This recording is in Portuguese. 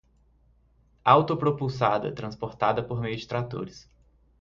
Autopropulsada, transportada por meio de tratores